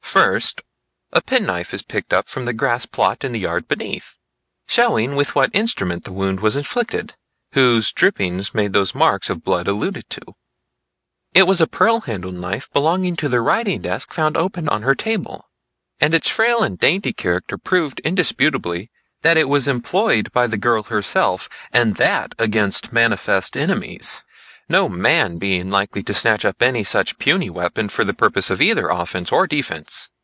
First, a pen knife is picked up from the grass plot in the yard beneath, showing with what instrument the wound was inflicted, whose drippings made those marks of blood alluded to. It was a pearl handled knife belonging to the writing desk found open on her table, and its frail and dainty character proved indisputably, that it was employed by the girl herself, and that against manifest enemies; no man being likely to snatch up any such puny weapon for the purpose either of offence or defence.